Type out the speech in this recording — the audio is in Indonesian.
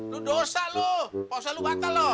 lu dosa lu pausa lu batal loh